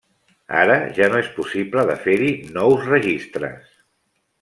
Ara ja no és possible de fer-hi nous registres.